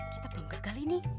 kita belum gagal ini